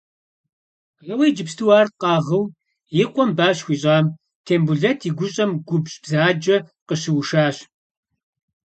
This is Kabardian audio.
Ауэ иджыпсту ар къэгъыу и къуэм ба щыхуищӏам, Тембулэт и гущӏэм губжь бзаджэ къыщыушащ.